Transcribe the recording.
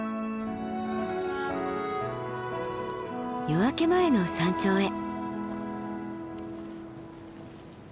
夜明け前の山頂へ。